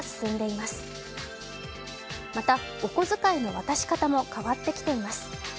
また、お小遣いの渡し方も変わってきています。